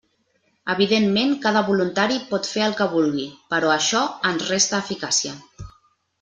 Evidentment cada voluntari pot fer el que vulgui, però això ens resta eficàcia.